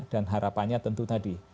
dan harapannya tentu tadi